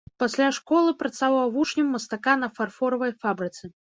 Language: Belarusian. Пасля школы працаваў вучнем мастака на фарфоравай фабрыцы.